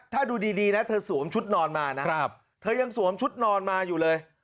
ถ้าดูดีนะเธอสวมชุดนอนมานะเธอยังสวมชุดนอนมาอยู่เลย